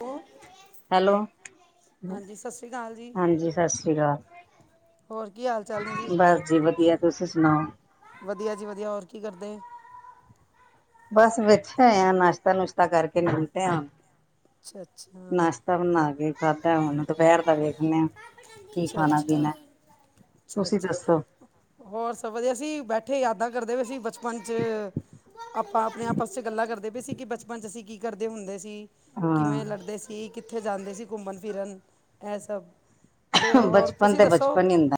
ਉਹ ਹੈਲੋ ਹਾਂਜੀ ਸਤਿ ਸ਼੍ਰੀ ਅਕਾਲ ਜੀ ਹਾਂਜੀ ਸਤਿ ਸ੍ਰੀ ਅਕਾਲ ਹੋਰ ਕੀ ਹਾਲ ਚਾਲ ਨੇ ਜੀ ਬਸ ਜੀ ਵਧੀਆ ਤੁਸੀਂ ਸੁਣਾਓ ਵਧੀਆ ਜੀ ਵਧੀਆ ਹੋਰ। ਕੀ ਕਰਦੇ। ਬਸ ਬੈਠੇ ਹੋਏ ਆ ਨਾਸ਼ਤਾ ਨੁਸ਼ਤਾ ਕਰਕੇ ਲਮੇ ਪਏ ਆ। ਅੱਛਾ ਅੱਛਾ ਨਾਸ਼ਤਾ ਬਣਾ ਕੇ ਖਾਧਾ ਹੁਣ ਦੁਪਹਿਰ ਦਾ ਵੇਖਦੇ ਆ। ਕੀ ਖਾਣਾ ਪੀਣਾ ਤੁਸੀਂ ਦੱਸੋ ਅੱਛਾ-ਅੱਛਾ ਹੋਰ ਸਭ ਵਧੀਆ ਅਸੀ ਬੈਠੇ ਯਾਦਾਂ ਕਰਦੇ ਵੀਏਸੀ ਬਚਪਨ ਚ ਆਪਾਂ ਆਪਣੇ ਆਪਸ ਚ ਗੱਲਾਂ ਕਰਦੇ ਪਏ ਸੀ ਕਿ ਬਚਪਨ ਚ ਅਸੀਂ ਕੀ ਕਰਦੇ ਹੁੰਦੇ ਸੀ ਹਾਂ ਕਿਵੇਂ ਲੜਦੇ ਸੀ ਕਿੱਥੇ ਜਾਂਦੇ ਸੀ ਘੁੰਮਣ ਫਿਰਨ ਇਹ ਸਭ ਤੇ ਹੋਰ ਬਚਪਨ ਤੁਸੀਂ ਤੇ ਦੱਸੋ ਬਚਪਨ ਹੀ ਹੁੰਦਾ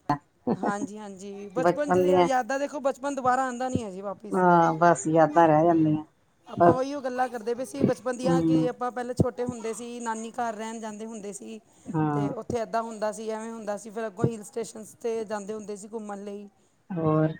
ਹਾਂਜੀ-ਹਾਂਜੀ ਬਚਪਨ ਚ ਯਾਦਾਂ ਦੇਖੋ ਬਚਪਨ ਦੁਬਾਰਾ ਆਉਂਦਾ ਨੀ ਹੈ ਜੀ ਵਾਪਿਸ ਹਾਂ ਬਸ ਯਾਦਾਂ ਰਹਿ ਜਾਂਦੀਆਂ ਆਪਾਂ ਬਸ ਉਹੀਓ ਗੱਲਾਂ ਕਰਦੇ ਵੀ ਸੀ ਬਚਪਨ ਦੀਆਂ ਹਮ ਕਿ ਆਪਾਂ ਪਹਿਲਾਂ ਛੋਟੇ ਹੁੰਦੇ ਸੀ ਨਾਨੀ ਘਰ ਰਹਿਣ ਜਾਂਦੇ ਹੁੰਦੇ ਸੀ ਹਾਂ ਤੇ ਉੱਥੇ ਏਦਾਂ ਹੁੰਦਾ ਹੁੰਦਾ ਸੀ ਐਵੇਂ ਹੁੰਦਾ ਸੀ ਫਿਰ ਅੱਗੋਂ ਹਲ ਸਟੇਸ਼ਨਸ 'ਤੇ ਜਾਂਦੇ ਹੁੰਦੇ ਸੀ ਘੁੰਮਣ ਲਈ ਹੋਰ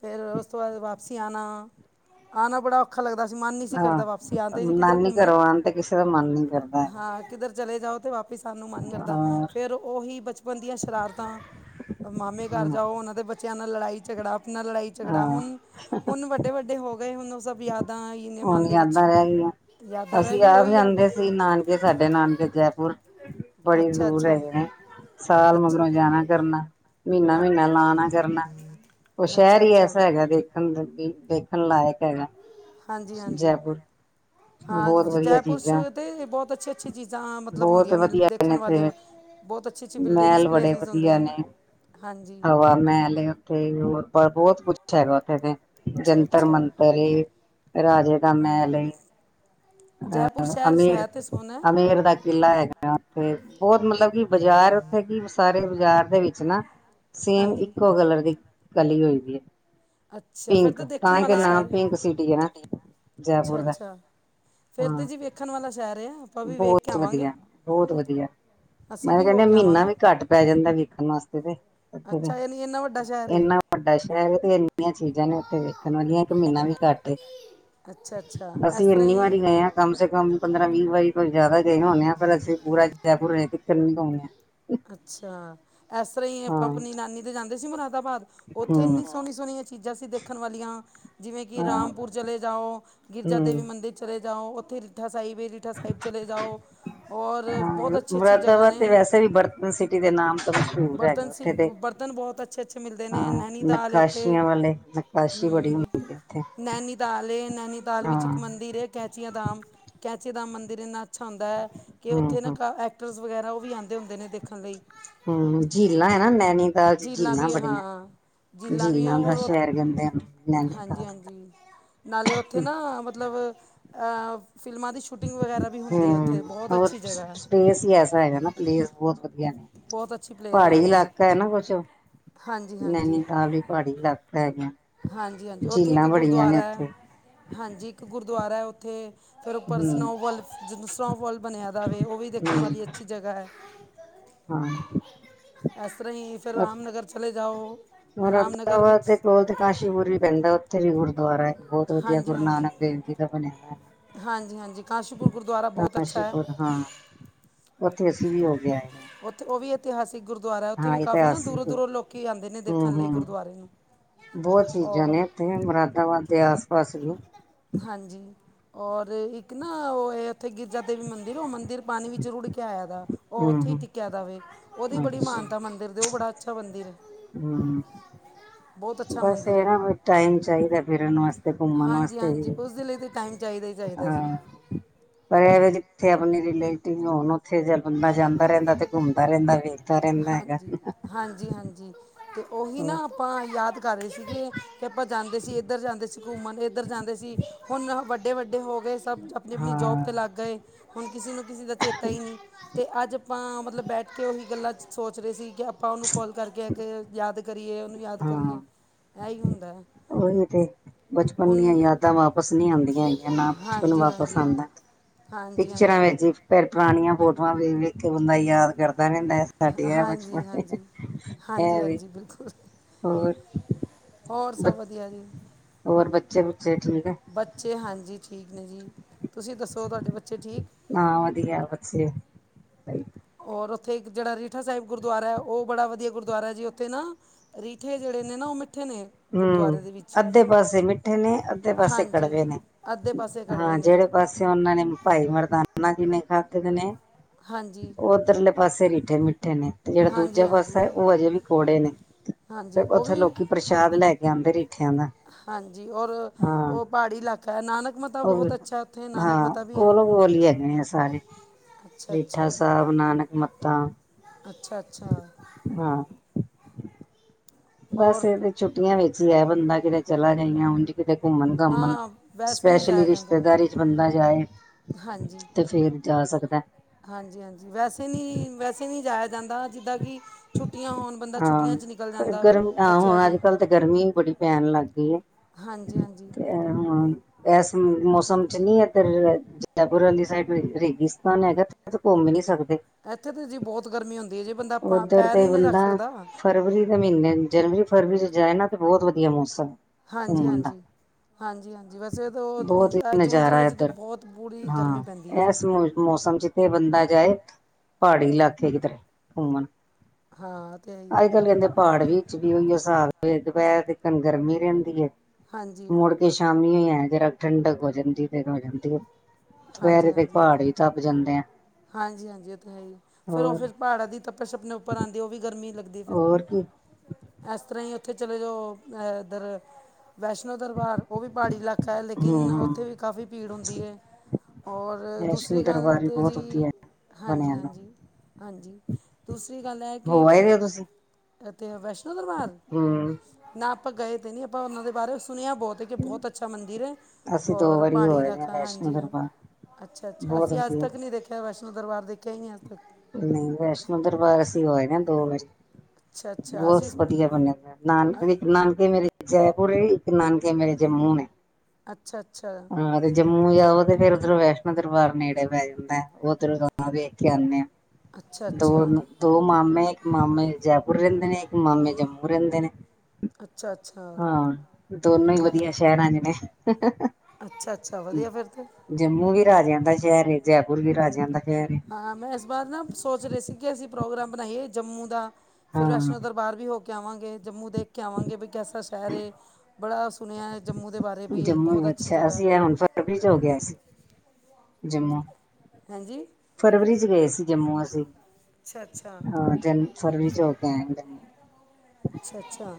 ਫੇਰ ਉਸ ਤੋਂ ਬਾਅਦ ਵਾਪਸੀ ਆਉਣਾ-ਆਉਣਾ ਬੜਾ ਔਖਾ ਲੱਗਦਾ ਸੀ ਮਨ ਨਹੀਂ ਸੀ ਕਰਦਾ ਵਾਪਸੀ ਆਉਣ ਹਹ 'ਤੇ ਜੀ ਕਿੱਧਰ ਨਾਨੀ ਘੁੰਮਣੇ ਘਰੋਂ ਆਉਣ ਤੇ ਕਿਸੇ ਦਾ ਮਨ ਨੀ ਕਰਦਾ ਹੈਗਾ ਹਾਂ ਕਿੱਧਰ ਚਲੇ ਜਾਓ ਤੇ ਵਾਪਿਸ ਆਨ ਨੂੰ ਮਨ ਕਰਦਾ ਫੇਰ ਉਹੀ ਬਚਪਨ ਦੀਆਂ ਸ਼ਰਾਰਤਾਂ ਮਾਮੇ ਘਰ ਹਾਂ ਜਾਓ ਉਹਨਾਂ ਦੇ ਬੱਚਿਆਂ ਨਾਲ ਲੜਾਈ ਝਗੜਾ ਣਾ ਲੜਾਈ ਝਗੜਾ ਹਾਂ ਹੁਣ-ਹੁਣ ਵੱਡੇ-ਵੱਡੇ ਹੋ ਗਏ ਹੁਣ ਉਹ ਸਭ ਯਾਦ ਹੁਣ ਯਾਦਾ ਰਹਿ ਗਈਆਂ ਯਾਦਾਂ ਰਹਿ ਅਸੀਂ ਗਈ ਆਪ ਉਹੀ ਯਾਦ ਜਾਂਦੇ ਸੀ ਨਾਨਕੇ ਸਾਡੇ ਨਾਨਕੇ ਜੈਪੁਰ ਬੜੀ ਅੱਛਾ ਦੂਰ ਅੱਛਾ ਹੈਗਾ ਹੈ ਸਾਲ ਅੱਛਾ ਮਗਰੋਂ ਜਾਣਾ ਕਰਨਾ ਅ ਮਹੀਨਾ-ਮਹੀਨਾ ਲਾਣਾ ਕਰਨਾ ਉਹ ਸ਼ਹਿਰ ਅੱਛਾ ਹੀ ਅੱਛਾ ਐਸਾ ਹੈਗਾ ਦੇਖਣ ਦੇਖ ਣ ਲਾਇਕ ਹੈਗਾ ਹਾਂਜੀ-ਹਾਂਜੀ ਜੈਪੁਰ। ਹਾਂ ਬਹੁਤ ਵਧੀਆ ਜੈਪੁਰ ਚੀਜ਼ਾਂ ਤੇ ਬਹੁਤ ਅ ਅੱਛੀ-ਅੱਛੀ ਚੀਜ਼ਾਂ ਮਤਲਬ ਬਹੁਤ ਹੁੰਦੀਆਂ ਮਿਲ ਵਧੀਆ ਨੇ ਦੇਖਣ ਇੱਥੇ ਵਾਲੀਆਂ ਆ ਬਹੁਤ ਅੱਛੀ-ਅੱਛੀ ਬਿਲਡਿੰਗ ਮਹਿਲ ਬੜੇ ਪਲੇਸਿਸ ਹੁੰਦੇ ਵਧੀਆ ਨੇ ਹਾਂਜੀ ਹਵਾ ਮਹਿਲ ਉੱਥੇ ਬਹੁਤ ਕੁਛ ਹੈਗਾ ਉੱਥੇ ਤੇ ਅੱਛਾ ਜੰਤਰ ਅੱਛਾ ਮੰਤਰ ਰਾਜੇ ਦਾ ਮਹਿਲ ਹੈ ਜੈਪੁਰ ਅਹ ਸ਼ਹਿਰ ਹੈ ਤੇ ਸੋਹਣਾ ਅਮੇਰ-ਅਮੇਰ ਦਾ ਕਿਲਾ ਹੈਗਾ ਥੇ ਬਹੁਤ ਮਤਲਬ ਕਿ ਬਾਜ਼ਾਰ ਉੱਥੇ ਕਿ ਸਾਰੇ ਬਾਜ਼ਾਰ ਦੇ ਵਿੱਚ ਨਾ ਸੇਮ ਹਾਂਜੀ ਇੱਕੋ ਕਲਰ ਦੀ ਕਲੀ ਹੋਈ ਦੀ ਹੈ ਅੱਛਾ ਫਿਰ ਪਿੰਕ ਤਾਂ ਦੇਖਣ ਤਹਿ ਵਾਲਾ ਨਾਮ ਸ਼ਹਿਰ ਪਿੰਕ ਸਿਟੀ ਹੈ ਨਾ ਅੱਛਾ ਜੈਪੁਰ ਦਾ ਅੱਛਾ ਫਿਰ ਹਾਂ ਤਾਂ ਜੀ ਵੇਖਣ ਵਾਲਾ ਸ਼ਹਿਰ ਹੈ ਆਪਾਂ ਵੀ ਵੇਖ ਕੇ ਬਹੁਤ ਆਵਾਂਗੇ ਵਧੀਆ-ਬਹੁਤ ਵਧੀਆ ਅਸੀਂ ਮੈਂ ਕਿਹਾ ਵੀ ਹੋ ਕਹਿੰਦੀ ਕੇ ਮਹੀਨਾ ਆਵਾਂਗੇ ਵੀ ਘੱਟ ਪੈ ਜਾਂਦਾ ਵੇਖਣ ਵਾਸਤੇ ਤੇ ਇਥੇ ਦਾ ਅੱਛਾ ਯਾਨੀ ਇੰਨਾ ਵੱਡਾ ਸ਼ਹਿਰ ਹੈ ਇਨਾ ਵਡਾ ਸ਼ਹਿਰ ਤੇ ਏਨੀ ਚੀਜ਼ਾਂ ਨੇ ਉੱਥੇ ਦੇਖਣ ਵਾਲੀਆਂ ਇੱਕ ਮਹੀਨਾ ਵੀ ਘੱਟ ਅੱਛਾ ਅੱਛਾ ਇਸ ਅਸੀਂ ਇ ਤਰ੍ਹਾਂ ਹੀ ਕਮ ਸੇ ਕਮ ਪੰਦਰਾਂ ਵੀਹ ਵਾਰੀ ਕੋਈ ਜ਼ਿਆਦਾ ਦੇ ਹਣੇਦੇ ਆ ਪਰ ਅਸੀਂ ਪੂਰਾ ਜੈਪੁਰ ਦਿੱਕਰ ਨੀ ਘੁੰਮਿਆ ਅੱਛਾ ਇਸ ਤਰ੍ਹਾਂ ਆਪਾਂ ਹਾਂ, ਆਪਣੀ ਨਾਨੀ ਤੇ ਜਾਂਦੇ ਸੀ ਮੁਰਾਦਾ ਅਮਦਾਬਾਦ ਉੱਥੇ ਹਾਂ ਇੰਨੀ ਸੋਹਣੀ ਸੋਹਣੀਆਂ ਚੀਜ਼ਾਂ ਸੀ ਦੇਖਣ ਵਾਲੀਆਂ ਜਿਵੇਂ ਕਿ ਰਾਮਪੁਰ ਚਲੇ ਜਾਓ ਗਿਰਜਾ ਦੇਵੀ ਮੰਦਿਰ ਚਲੇ ਜਾਓ ਉੱਥੇ ਸਾਹਿਬ ਰੀਠਾ ਸਾਹਿਬ ਚਲੇ ਜਾਓ ਔਰ ਹਾ ਬਹੁਤ ਅੱਛੀ ਅੱਛੀ ਜਗ੍ਹਾ ਮੁਰਾਦਾਬਾਦ ਤੇ ਨੇ ਵੈਸੇ ਵੀ ਬਰਤਨ ਸਿਟੀ ਦੇ ਨਾਲ ਮਸ਼ਹੂਰ ਹੈਗਾ ਬਰਤਨ ਸੀ ਉੱਥੇ ਤੇ ਬਰਤਨ ਬਹੁਤ ਅੱਛੇ ਅੱਛੇ ਮਿਲਦੇ ਨੇ ਹਾਂ ਨੈਨੀਤਾਲ ਉੱਥੇ ਨਕਾਸ਼ੀਆਂ ਵਾਲੇ ਨਕਾਸ਼ੀ ਬੜੀ ਹੂੰ ਹੁੰਦੀ ਹੈ ਉੱਥੇ ਨੈਨੀਤਾਲ ਇਹ ਨੈਨੀਤਾਲ ਵਿੱਚ ਇੱਕ ਹਾਂ ਮੰਦਿਰ ਕੈਚੀਆਂ ਦਾਮ ਕਚ ਦਾ ਮੰਦਿਰ ਇੰਨਾ ਅੱਛਾ ਹੁੰਦਾ ਹੈ ਕਿ ਹੂੰ ਉੱਥੇ ਨਾ ਹੂੰ ਐਕਟਰ ਵਗੈਰਾ ਉਹ ਵੀ ਆਉਂ ਦੇ ਹੁੰਦੇ ਨੇ ਦੇਖਣ ਲਈ ਹੂੰ ਝੀਲਾਂ ਹੈ ਨਾ ਨੈਨੀਤਾਲ ਝੀਲਾਂ ਵੀ ਹਾਂ ਬੜੀਆਂ ਝੀਲਾਂ ਦਾ ਸ਼ਹਿਰ ਕਿਹਦੇ ਹਨ ਹਾਂਜੀ-ਹਾਂਜੀ ਨਾਲੇ ਉੱਥੇ ਨਾ ਮਤਲਬ ਅਹ ਹਮ ਬਹੁਤ ਹੋਰ ਅੱਛੀ ਜਗ੍ਹਾ ਹੈ ਸਪੇਸ ਹੀ ਐਸਾ ਹੈਗਾ ਨਾ ਪਲੇਸ ਬਹੁਤ ਵਧੀਆ ਬਹੁਤ ਅੱਛੀ [unintelligible] ਪਲੇਸ ਹੈ ਪਹਾੜੀ ਹਾਂਜੀ ਇਲਾਕਾ ਹੈ ਨਾ ਕੁਛ। ਹਾਂਜੀ ਹਾਂਜੀ ਨੈਨੀਤਾਲ ਵੀ ਪਹਾੜੀ ਇਲਾਕਾ ਹੈਗਾ। ਹਾਂਜੀ ਹਾਂਜੀ ਉੱਥੇ ਇੱਕ ਝੀਲਾਂ ਬੜੀਆਂ ਨੇ ਗੁਰਦੁਆਰਾ ਐ ਉੱਥੇ ਹਾਂਜੀ ਇੱਕ ਗੁਰਦੁਆਰਾ ਐ ਉੱਥੇ। ਫਿਰ ਉੱਪਰ ਹੂੰ ਸਨੋਵਫਲ ਜਦ ਸਨੋਵਫਲ ਬਣਿਆ ਦਾ ਵੇ ਉਹ ਵੀ ਦੇਖਣ ਹੂੰ ਵਾਲੀ ਅੱਛੀ ਜਗਾ ਐ। ਹਾਂ। ਇਸ ਤਰ੍ਹਾਂ ਹੀ ਫਿਰ ਰਾਮਨਗਰ ਚਲੇ ਜਾਓ। ਰਾਮਨਗਰ ਰੋਤਾਵਾ ਵਿੱਚ- ਦੇ ਕੋਲ ਤੇ ਕਾਸ਼ੀਪੁਰ ਵੀ ਪੈਂਦਾ ਉੱਥੇ ਵੀ ਗੁਰੂਦੁਆਰਾ ਐ ਬਹੁਤ ਵਧੀਆ ਹਾਂਜੀ ਗੁਰੂ ਹਾਂਜੀ ਨਾਨਕ ਦੇਵ ਜੀ ਦਾ ਬਣਿਆ ਹੋਇਆ। ਹਾਂਜੀ ਹਾਂਜੀ ਕਾਸ਼ੀਪੁਰ ਗੁਰਦੁਆਰਾ ਬਹੁਤ ਅੱਛਾ ਕਾਸ਼ੀਪੁਰ ਹੈ ਹਾਂ, ਉੱਥੇ ਅਸੀਂ ਵੀ ਹੋ ਕੇ ਆਏ। ਨੇ ਉੱਥੇ ਉਹ ਵੀ ਇਤਿਹਾਸਿਕ ਗੁਰਦੁਆਰਾ ਉੱਥੇ ਹਾਂ ਵੀ ਕਾਫ਼ੀ ਨਾ ਦੂਰੋਂ ਇਤਿਹਾਸਿਕ ਦੂਰੋਂ ਲੋਕ ਆਂਦੇ ਨੇ ਹੂੰ ਦੇਖਣ ਲਈ ਹੂੰ ਗੁਰਦੁਆਰੇ ਨੂੰ। ਬਹੁਤ ਚੀਜ਼ਾਂ ਔਰ ਨੇ ਇੱਥੇ ਮੁਰਾਦਾਬਾਦ ਦੇ ਆਸ ਪਾਸ- ਵੀ ਹਾਂਜੀ ਔਰ ਇੱਕ ਨਾ ਉਹ ਐ ਉੱਥੇ ਗਿਰਜਾ ਦੇਵੀ ਮੰਦਿਰ ਉਹ ਮੰਦਿਰ- ਪਾਣੀ ਵਿੱਚ ਰੁੜ ਕੇ ਆਇਆ ਦਾ ਉਹ ਹੂੰ ਉੱਥੇ ਹੀ ਹੂੰ ਟਿਕਿਆ ਦਾਵੇ ਉਹਦੀ ਬੜੀ ਮਾਨਤਾ ਮੰਦਰ ਦੇ ਉਹ ਬੜਾ ਅੱਛਾ ਮੰਦਰ ਐ। ਹਮ ਅੱਛਾ ਬਸ ਮੰਦਿਰ ਇਹ ਹੈ ਨਾ ਵੀ ਟਾਈਮ ਚਾਹੀਦਾ ਫਿਰਨ ਵਾਸ- ਤੇ, ਘੁੰਮਣ ਹਾਂਜੀ ਵਾਸਤੇ ਹਾਂਜੀ ਵੀ- ਉਸ ਦੇ ਲਈ ਤਾਂ ਟਾਈਮ ਚਾਹੀਦਾ ਹੀ ਚਾਹੀਦਾ ਜੀ ਆਹ ਪੈਰ ਜ- ਇਥੇ ਆਪਣੇ ਰਿਲੇਟਿਵ ਹੋਣ ਉੱਥੇ ਜ ਬੰਦਾ ਜਾਂਦਾ ਰਹਿੰਦਾ ਤੇ ਘੁੰਮਦਾ ਰਹਿੰਦਾ ਵੇ। ਹਾਂਜੀ ਹਾਂਜੀ ਹਾਂਜੀ, ਤੇ ਔਹੀ ਹੋਰ ਨਾ ਆਪਾਂ ਯਾਦ- ਘਰ ਹੀ ਸੀਗੇ ਤੇ ਆਪਾਂ ਜਾਂਦੇ ਸੀ, ਇੱਧਰ ਜਾਂਦੇ ਸੀ ਘੁੰਮਣ, ਇੱਧਰ ਜਾਂਦੇ ਸੀ, ਹੁਣ ਵੱਡੇ ਵੱਡੇ- ਵਡੇ ਹੋ ਗਏ ਸਭ, ਆਪਣੀ ਆਪਣੀ ਜੋਬ ਤੇ ਲੱਗ ਹਾਂ-ਹਾਂ, ਗਏ, ਹੁਣ ਕਿਸੇ ਨੂੰ ਕਿਸੇ ਦਾ ਚੇਤਾ ਹੀ ਨੀ। ਅਤੇ ਅੱਜ ਆਪਾਂ, ਮਤਲਬ ਬੈਠ ਕੇ ਉਹੀ ਗੱਲਾਂ ਸ ਸੋਚ ਰਹੇ ਸੀ ਕਿ ਆਪਾਂ ਉਹਨੂੰ ਕੋਲ ਕਰਕੇ ਆ ਕੇ ਯਾਦ ਕਰ- ਕਰੀਏ ਉਹਨੂੰ ਯਾਦ ਕਰੀਏ, ਐਹੀ ਹੁੰਦਾ ਐ। ਉਹੀ ਤੇ। ਬਚਪਨ ਦੀਆਂ ਯਾਦਾਂ ਵਾਪਿਸ ਨਹੀਂ ਆਂਦੀਆਂ ਹੈਗੀਆਂ, ਨਾ ਬਚਪਨ ਹਾਂਜੀ ਵਾਪਿਸ ਹਾਂਜੀ ਆਂਦਾ। ਹਾਂਜੀ ਪਿਕਚਰਾਂ ਹਾਂਜੀ ਵਿੱਚ ਫਿਰ ਪੁਰਾਣੀਆਂ ਫੋਟੋਆਂ ਵੇਖ ਵੇਖ ਕੇ, ਬੰਦਾ ਯਾਦ ਕਰ- ਦਾ ਰਹਿੰਦਾ, ਸਾਡੀ ਐ ਬਚਪਨ ਹਾਂਜੀ ਦੀ, ਹਾਂਜੀ ਐ ਹਾਂਜੀ ਵੈ, ਹਾਂਜੀ ਬਿਲਕੁਲ ਹੋਰ। ਹੋਰ ਬ ਸਭ ਵਧੀਆ ਜੀ। ਹੋਰ ਬੱਚੇ-ਬੁੱਚੇ ਠੀਕ ਹੈ ਬੱਚੇ ਹਾਂਜੀ ਠੀਕ ਨੇ ਜੀ। ਤੁਸੀਂ ਦੱਸੋ ਤੁਹਾਡੇ ਬੱਚੇ ਠੀਕ ਹਾਂ ਵਧੀਆ ਬੱਚੇ ਬਈ। ਔਰ ਉੱਥੇ ਜਿਹੜਾ ਰੀਠਾ ਸਾਹਿਬ ਗੁਰਦੁਆਰਾ ਐ ਉਹ ਬੜਾ ਵਧੀਆ ਗੁਰਦੁਆਰਾ ਐ ਜੀ ਉੱਥੇ ਨਾ ਰੀਠੇ ਜਿਹੜੇ- ਨੇ ਨਾ ਉਹ ਮਿੱਠ- ਹਮ ਅੱਧੇ ਪਾਸੇ ਮਿੱਠੇ ਨੇ, ਅੱਧੇ ਪਾਸੇ ਹਾਂਜੀ ਕੜਵੇ ਨੇ। ਅੱਧੇ ਪਾਸੇ ਕੜਵੇ ਹਾਂ ਨੇ ਜਿਹੜੇ ਜੀ ਪਾਸੇ ਉਹਨਾਂ ਨੇ ਭਾਈ ਮਰਦਾਨਾ ਜੀ ਨੇ ਖਾਧੇ ਦੇ ਨੇ- ਹਾਂਜੀ। ਉਹ ਉੱਧਰਲੇ ਪਾਸੇ ਰੀਠੇ ਮਿੱਠ- ਠੇ ਨੇ ਤੇ ਜਿਹੜਾ ਹਾਂਜੀ ਦੂਜਾ ਹਾਂਜੀ ਪਾਸਾ ਉਹ ਅਜੇ ਵੀ ਕੋੜੇ ਨੇ ਤੇ ਹਾਂਜੀ ਉਹ ਉੱਥੇ ਵੀ ਲੋਕੀ ਪਰ- ਔ ਲੈ ਕੇ ਅੰਦਰ ਹੀ ਹਾਂਜੀ ਔਰ ਉਹ ਪਹਾੜੀ ਇਲਾਕਾ ਐ, ਨਾਨਕ- ਮਤਾ ਔਹ ਵੀ, ਬਹੁਤ ਅੱਛਾ ਉੱਥੇ ਨਾਨਕ ਹਾਂ ਮਤਾ ਵੀ ਹੈ ਕੋਲੋ ਕੋੋਲ ਹੀ ਹੈਗੇ ਆ ਸਾਰੇ। ਅੱਛਾ ਰੀਠਾ ਅੱਛਾ ਸਾਹਿਬ, ਨਾਨਕ ਮੱਤਾ, ਅੱਛਾ ਅੱਛਾ ਹਾਂ। ਬਸ ਔਰ ਇਹ ਤੇ ਛੁੱਟੀਆਂ ਵਿੱਚ ਹੀ ਐ, ਬੰਦਾ ਕਿਤੇ ਚਲਾ ਜਾਈਆਂ ਉੰਝ- ਕਿਤੇ ਘੁੰਮਣ ਘਾਮਣ ਹਾਂ ਵੈਸੇ ਨਹੀਂ ਸਪੈਸ਼ਲੀ ਜਾਇਆ ਜਾਂਦਾ ਰਿਸ਼ਤੇਦਾਰੀ ਚ ਬੰਦਾ ਜਾਏ- ਹਾਂਜੀ ਤੇ ਫੇਰ ਜਾ ਸਕ- ਹਾਂਜੀ ਹਾਂਜੀ ਵੈਸੇ ਨੀ ਵੈਸੇ ਨੀ ਜਾਇਆ ਜਾਂਦਾ ਜਿੱਦਾਂ ਕਿ ਛੁੱ- ਹਾਂ ਪਰ ਗਰਮ ਹਾਂ, ਬੱਚਿਆਂ ਹੁਣ ਅੱਜ ਦੀਆਂ ਕੱਲ ਤਾਂ ਗਰਮੀ ਵੀ ਬੜੀ ਪੈਣ ਲੱਗ ਗਈ ਐ। ਹਾਂਜੀ ਹਾਂਜੀ ਤੇ ਹਾਂ। ਇਸ ਮੌਸਮ ਚ ਨੀ ਇਧਰ ਜੈਪੁਰ ਵਾਲੀ ਸਾਈਡ ਰੇਗਿਸਤਾਨ ਹੈਗਾ, ਐਥੇ ਘੁੰਮ ਨੀ ਸਕਦੇ। ਇੱਥੇ ਤਾਂ ਜੀ ਬਹੁਤ ਗਰਮੀ ਹੁੰਦੀ ਐ, ਜੇ ਬੰਦਾ ਅਪ ਉੱਧਰ ਪੈਰ ਤੇ ਹੀ ਨੀ ਰੱਖ ਬੰਦਾ ਸਕਦਾ। ਫਰਵਰੀ ਦੇ ਮਹੀਨੇ, ਜਨਵਰੀ ਫਰਵਰੀ ਚ ਜਾਏ ਨਾ ਤੇ ਬਹੁਤ ਵਧੀਆ ਮੌਸਮ। ਹਾਂਜੀ ਘੁੰਮਣ ਦਾ ਹਾਂਜੀ। ਹਾਂਜੀ ਹਾਂਜੀ, ਵੈਸੇ ਬਹੁਤ ਹੀ ਤਾਂ ਜੂਨ ਜੁਲਾਈ ਨਜ਼ਾਰਾ ਚ ਤਾਂ ਇੱਧਰ ਬਹੁਤ ਬੂੜੀ ਗਰਮੀ ਹਾਂ ਪੈਂਦੀ ਐ ਜੀ। ਇਸ ਮੌ ਮੌਸਮ ਚ ਤੇ ਬੰਦਾ ਜਾਏ, ਪਹਾੜੀ ਇਲਾਕੇ ਕਿਧਰੇ ਘੁੰਮਣ। ਹਾਂ ਅਤੇ ਹੈ ਹੀ ਅੱਜ ਕੱਲ ਕਹਿੰਦੇ ਪ ਪਹਾੜ ਵਿੱਚ ਵੀ ਉਈ ਹਿਸਾਬ ਹੈ ਦੁਪਹਿਰ ਤਿਕਨ ਗਰਮੀ ਰਹਿੰਦੀ ਹੈ ਹਾਂਜੀ ਮੁੜ ਕੇ ਸ਼ਾਮੀ ਹੀ ਹੋ, ਜਰਾ ਠੰਡਕ ਹੋ ਜਾਂਦੀ, ਫਿਰ ਹੋ ਜਾਂਦੀ ਏ। ਹਾਂਜੀ ਦੂਪਹਿਰੇ ਦੇ ਹਾਂਜੀ ਪਹਾੜ ਹੀ ਤੱਪ ਜਾਂਦਾ ਹਾਂਜੀ ਹਾਂਜੀ ਉਹ ਤੇ ਹੈ ਹੀ ਐ, ਫੇਰ ਉਹ ਹੋਰ ਫੇਰ ਪਹਾੜਾਂ ਦੀ ਤੱਪਛ ਉੱਪਰ ਆਉਂਦੀ ਉਹ ਵੀ ਗਰਮੀ ਲੱ ਫਿਰ ਹੋਰ ਕੀ ਐਸ ਤਰ੍ਹਾਂ ਹੀ, ਉੱਥੇ ਚਲੇ ਜਾਔ, ਐ ਇੱਧਰ ਵੈਸ਼ਨੋ ਦਰਬਾਰ ਔ ਵੀ ਪਹਾੜੀ ਇਲਾਕਾ ਹੈ, ਹਮ ਲੇਕਿਨ ਹਮ ਔਥੇ ਵੀ ਕਾਫ਼ੀ ਭੀੜ ਹੁੰਦੀ ਹੈ ਔਰ ਵੈਸ਼ਨੋ ਦੂਸਰੀ ਗੱਲ ਦਰਬਾਰ ਵੀ ਤੇ ਜੀ ਬਹੁਤ ਵਧੀਆ ਹਾਂਜੀ- ਬਣਿਆ ਨਾ ਹਾਂਜੀ -ਹਾਂਜੀ ਦੂਸਰੀ ਗੱਲ ਹੈ ਕਿ ਹੋ ਆਏ ਪ ਦੇ ਹੋ ਤੁਸੀਂ ਤੇ ਵੈਸ਼ਨੋ ਦਰਬਾਰ, ਹੂੰ। ਨਾ ਆਪਾਂ ਗਏ ਤੇ ਨੀ ਆਪਾਂ ਉਹਨਾਂ ਦੇ ਬਾਰੇ ਸੁਣਿਆ ਬਹੁਤ ਹੈ ਕਿ ਬਹੁਤ ਅੱਛਾ ਮੰਦਿਰ ਹੈ, ਅਸੀਂ ਦੋ ਔਰ ਵਾਰੀ ਹੋ ਪਹਾੜੀ ਆਏ ਆ ਇਲਾਕਾ ਵੈਸ਼ਨੋ ਹਾਂਜੀ ਹਾਂ ਦਰਬਾਰ ਅੱਛਾ ਅੱਛਾ ਬਹੁਤ ਅਸੀਂ ਅੱਜ ਵਧੀਆ। ਤੱਕ ਨੀ ਦੇਖਿਆ ਵੈਸ਼ਨੋ ਦਰਬਾਰ, ਦੇਖਿਆ ਹੀ ਨ ਅੱਜ ਤੱਕ ਨਹੀਂ ਵੈਸ਼ਨੋ ਦਰਬਾਰ ਅਸੀ ਹੋ ਆਏ ਨਾ, ਦੋ ਵਾਰੀ ਅੱਛਾ ਅੱਛਾ ਬਹੁਤ ਅਸੀਂ ਵਧੀਆ ਬਣਿਆਦਾ, ਅ- ਨਾਨਕੇ ਨਾਨਕੇ ਮੇਰੇ ਜੈਪੁਰ ਏ, ਇੱਕ ਨਾਨਕੇ ਮੇਰੇ ਜਮੂ ਨੇ ਅੱਛਾ ਅੱਛਾ ਹਾਂ ਤੇ ਜੰਮੂ ਜਾਓ ਤੇ ਫੇਰ ਓਧਰੋਂ ਵੈਸ਼ਨੋ ਦਰਬਾਰ ਨੇੜੇ ਪੈ ਜਾਂਦਾ ਏ, ਉਧਰੋਂ [unintelligible] ਵੇਖ ਕੇ ਆਣੇ ਆ। ਅੱਛਾ ਦੋ, ਅੱਛਾ ਦੋ ਮਾਮੇ ਇੱਕ ਮਾਮੇ ਜੈਪੁਰ ਰਹਿੰਦੇ ਨੇ, ਇੱਕ ਮਾਮੇ ਜੰਮੂ ਰਹਿੰਦੇ ਨੇ। ਅੱਛਾ ਅੱਛਾ ਹਾਂ ਦੋਨੋ ਹੀ ਵਧੀਆ ਸ਼ਹਿਰਾਂ ਦੇ ਨੇ। ਅੱਛਾ-ਅੱਛਾ ਵਧੀਆ ਫਿਰ ਤੇ। ਰਾਜੇਆਂ ਦਾ ਸ਼ਹਿਰ ਏ ਜੈਪੁਰ ਵੀ ਰਾਜੇਆਂ ਦਾ ਸ਼ਹਿਰ ਏ ਹਾਂ ਮੈਂ ਇਸ ਬਾਰ ਨਾ ਸੋਚ ਰਹੇ ਸੀ ਕਿ ਅਸੀਂ ਪ੍ਰੋਗਰਾਮ ਬਣਾਈਏ ਜੰਮੂ ਦਾ ਫਿਰ ਹਾਂ। ਵੈਸ਼ਨੋ ਦਰਬਾਰ ਵੀ ਹੋ ਕੇ ਆਵਾਂਗੇ, ਜੰਮੂ ਦੇਖ ਕੇ ਆਵਾਂਗੇ, ਬੀ ਕੈਸਾ ਸ਼ਹਿਰ ਏ? ਬੜਾ ਸੁਣਿਆ ਹੈ ਜੰਮੂ ਦੇ ਬਾਰੇ ਵੀ ਇਹ ਬਹੁਤ ਜੰਮੂ ਅੱਛੀ ਅੱਛਾ ਜਗ੍ਹਾ ਅਸੀਂ ਇਹ ਹੁਣ ਫਰਵਰੀ ਚ ਹੋ ਕੇ ਆਏ ਸੀ ਜੰਮੂ ਹਾਂਜੀ ਫਰਵਰੀ ਚ ਗਏ ਸੀ ਜੰਮੂ ਅਸੀਂ ਅੱਛਾ ਅੱਛਾ ਹਾਂ ਜਨ ਫਰਵਰੀ ਚ ਹੋ ਕੇ ਆਏ, ਜੰਮੂ ਅੱਛਾ ਅੱਛਾ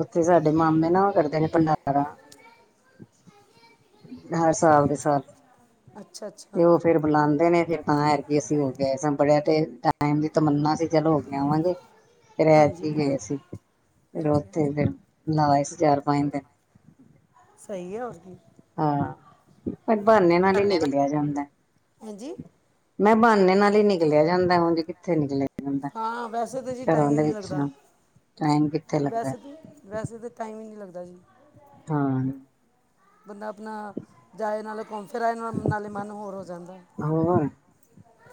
ਔਥੇ ਸਾਡੇ ਮਾਮੇ ਨਾ ਔਹ ਕਰਦੇ ਨੇ ਭੰਡਾਰਾਂ ਹਰ ਸਾਲ ਦੇ ਸਾਲ ਅੱਛਾ ਅੱਛਾ ਤੇ ਉਹ ਫੇਰ ਬੁਲਾਉਂਦੇ ਨੇ ਹਾਂ, ਐਦਕੀ ਅਸੀ ਹੌ ਕੇ ਆਏ ਸੀ, ਤੇ ਬੜੇ ਟਾਈਮ ਦੀ ਤਮੰਨਾ ਸੀ ਚਲੋ ਹੋ ਕੇ ਆਵਾਂਗੇ ਫਿਰ ਹਾਂਜੀ ਐਦਕੀ ਗਏ ਸੀ, ਫਿਰ ਹਾਂਜੀ ਔਥੇ ਹਾਂਜੀ ਫਿਰ ਲਾ ਆਏ ਸੀ ਚਾਰ ਪੰਜ ਦਿਨ ਸਹੀ ਹੈ ਹੋਰ ਕੀ। ਹਾਂ ਫਿਰ ਬਹਾਨੇ ਨਾਲ ਹੀ ਧੰਨੇ ਨਾ ਨਿਕਲਿਆ ਜਾਂਦਾ ਹਾਂਜੀ ਏ। ਮੈਂ ਬਾਨੇ ਨਾਲ ਹੀ ਨਿਕਲਿਆ ਜਾਂਦਾ ਉਂਜ ਹਾਂ ਵੈਸੇ ਤੇ ਜੀ ਟਾਈਮ ਹੀ ਦੇ ਨਹੀਂ ਲੱਗਦਾ। ਵਿੱਚੋਂ ਟਾਈਮ ਕਿੱਥੇ ਲੱਗਦਾ ਵੈਸੇ ਤੇ, ਵੈਸੇ ਤੇ ਟਾਈਮ ਹੀ ਨਹੀਂ ਲੱਗਦਾ ਜੀ। ਹਾਂ। ਬੰਦਾ ਆਪਣਾ ਜਾਏ ਨਾਲੇ ਘੁੰਮ ਫਿਰ ਆਏ, ਨਾਲ ਨਾਲੇ ਮਨ ਹੋਰ ਹੋ ਜਾਂਦਾ ਏ। [inaudible]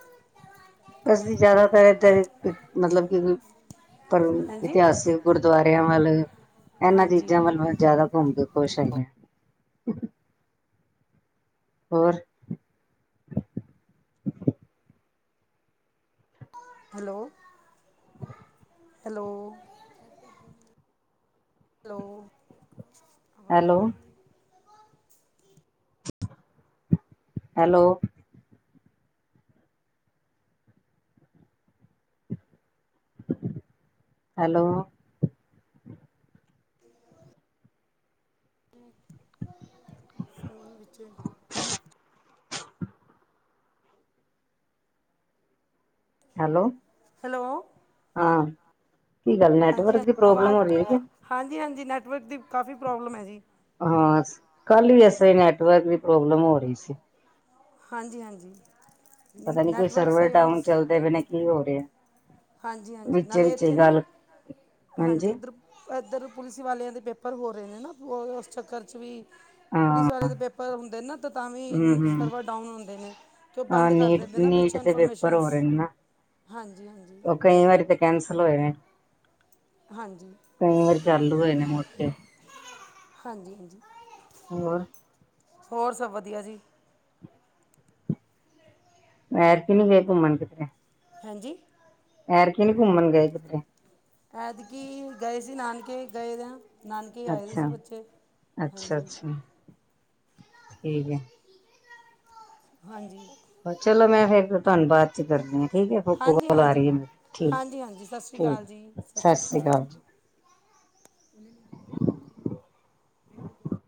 ਬਸ ਜੀ ਜ਼ਿਆਦਾਤਰ ਏਧਰ ਮਤਲਬ ਕਿ ਪਰ ਹਾਂਜੀ ਇਤਿਹਾਸਿਕ ਗੁਰਦੁਆਰਿਆਂ ਵੱਲ, ਇਹਨਾਂ ਹਾਂਜੀ ਚੀਜ਼ਾਂ ਵੱਲ ਮੈਂ ਜ਼ਿਆਦਾ ਘੁੰਮ ਕੇ ਖੁਸ਼ ਹੈਗਾ ਏ। ਹੋਰ? ਹੈਲੋ। ਹੈਲੋ। ਹੈਲੌ। ਆਵਾਜ਼ ਹੈਲੋ ਨਹੀਂ ਆ ਰਹੀ? ਹੈਲੋ। ਹੈਲੋ। [inaudible] [unintelligible] ਸੋਲਾਂ ਵਿੱਚ ਹੈਲੋ। ਹੈਲੋ। ਹਾਂ ਕੀ ਗੱਲ ਹਾਂਜੀ ਨੈਟਵਰਕ ਹਾਂ ਦੀ ਪ੍ਰੋਬਲਮ ਆਵਾਜ਼, ਹੋ ਰਹੀ ਹੈ ਕਿ ਹਾਂਜੀ-ਹਾਂਜੀ ਨੈੱਟਵਰਕ ਦੀ ਕਾਫ਼ੀ ਪ੍ਰੋਬਲਮ ਹੈ ਜੀ। ਹਾਂ ਕੱਲ ਹੀ ਏਸੇ ਨੈਟਵਰਕ ਦੀ ਪ੍ਰੋਬਲਮ ਹੋ ਰਹੀ ਸੀ। ਹਾਂਜੀ-ਹਾਂਜੀ। ਪਤਾ ਨੀ ਕੋਈ ਸਰਵਰ ਡਾਊਨ ਚੱਲਦੇ ਬਏ ਨੇ, ਕੀ ਹੋ ਰਿਹਾ ਹੈ। ਹਾਂਜੀ-ਹਾਂਜੀ ਨਾਲੇ ਇੱਥੇ ਨਾ, ਹਾਂਜੀ ਇਧਰ-ਇਧਰ ਪੁਲਿਸ ਵਾਲਿਆਂ ਦੇ ਪੇਪ ਪਰ ਹੋ ਰਹੇ ਨੇ ਨਾ, ਉਹ ਉਸ ਚੱਕਰ ਚ ਵੀ ਹਾਂ ਪੁਲਿਸ ਵਾਲੇ ਦੇ ਪੇਪਰ ਹੁੰਦੇ ਨੇ ਨਾ, ਤੇ ਤਾਂ ਹਮ ਵੀ ਹਮ ਸਰਵਰ ਡਾਊਨ ਹੁੰਦੇ ਨੇ, ਤੇ ਉਹ ਹਾਂ ਬੰਦ ਕਰ ਨੀਟ ਦਿੰਦੇ ਨਾ ਨੀਟ ਪਿੱਛੋਂ। ਦੇ ਪੇਪਰ ਹੋ ਇਨਫੋਰਮੇਸ਼ਨਸ। ਰਹੇ ਨੇ ਨਾ ਹਾਂਜੀ ਹਾਂਜੀ ਉਹ ਕਈ ਵਾਰੀ ਤੇ ਕੈਨਸਲ ਹੋਏ ਨੇ, ਹਾਂਜੀ ਕਈ ਵਾਰੀ ਚੱਲ ਹੋਏ ਨੇ [inaudible] ਹਾਂਜੀ-ਹਾਂਜੀ। ਹੋਰ ਹੋਰ ਸਭ ਵਧੀਆ ਜੀ। ਏਤਕੀ ਨਹੀਂ ਗਏ ਘੁੰਮਣ ਕਿੱਥੇ? ਹਾਂਜੀ? ਇਤਕਿ ਨਹੀਂ ਘੁੰਮਣ ਗਏ ਕਿਧਰੇ? ਐਦਕੀ ਗਏ ਸੀ ਨਾਨਕੇ ਗਏ ਦਾਂ। ਨਾਨਕੇ ਆਏ ਸੀ ਅੱਛਾ ਬੱਚੇ। ਅੱਛਾ ਹਾਂਜੀ ਅੱਛਾ ਠੀਕ ਹੈ। ਹਾਂਜੀ। ਚਲੋ, ਮੈਂ ਫੇਿਰ ਤੁਹਾਨੂੰ ਬਾਅਦ ਚ ਕਰਦੀ ਆ। ਠੀਕ ਹੈ। ਹੋਰ ਕੋਲ ਆ ਰਹੀ ਹੈ। ਮੇ ਠੀ ਜੀ ਸਤਿ ਸ਼੍ਰੀ ਅਕਾਲ ਜੀ, ਸਤਿ ਸ਼੍ਰੀ ਅਕਾਲ। [unintelligible]